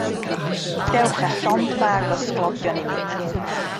Dewch â llond bag o sglodion i mi.